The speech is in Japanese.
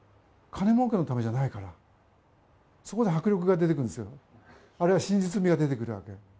金もうけのためじゃないから、そこで迫力が出てくるんですよ、あるいは真実味が出てくるわけ。